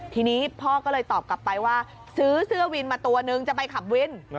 ทีนี้พ่อก็เลยตอบกลับไปว่าซื้อเสื้อวินมาตัวนึงจะไปขับวิน